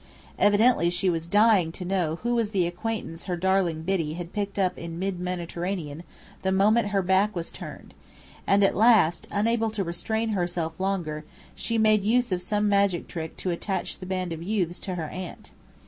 Evidently she was dying to know who was the acquaintance her darling Biddy had picked up in mid Mediterranean the moment her back was turned; and at last, unable to restrain herself longer, she made use of some magic trick to attach the band of youths to her aunt.